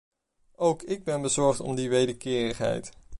Ook ik ben bezorgd om die wederkerigheid.